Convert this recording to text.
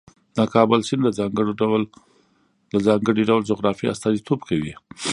د کابل سیند د ځانګړي ډول جغرافیې استازیتوب کوي.